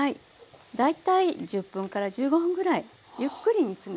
大体１０分から１５分ぐらいゆっくり煮詰めて下さい。